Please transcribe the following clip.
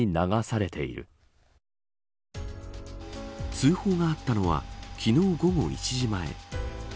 通報があったのは昨日、午後１時前。